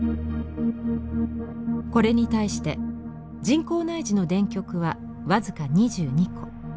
これに対して人工内耳の電極はわずか２２個。